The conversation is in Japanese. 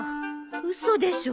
嘘でしょ。